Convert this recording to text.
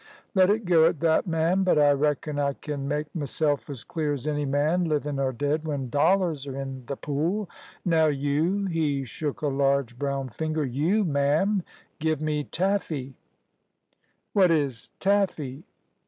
"Let it go at that, ma'am. But I reckon I kin make m'self as clear as any man, livin' or dead, when dollars are in th' pool. Now you" he shook a large brown finger "you, ma'am, give me taffy." "What is taffy?"